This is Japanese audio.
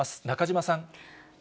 中島さん。